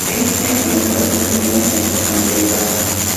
Einstein comentó sensaciones en sus antebrazos.